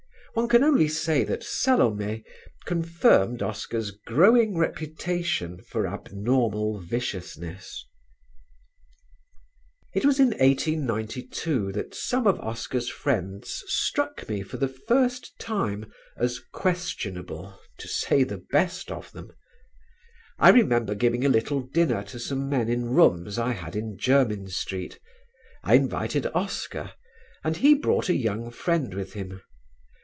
One can only say that "Salome" confirmed Oscar's growing reputation for abnormal viciousness. It was in 1892 that some of Oscar's friends struck me for the first time as questionable, to say the best of them. I remember giving a little dinner to some men in rooms I had in Jermyn Street. I invited Oscar, and he brought a young friend with him.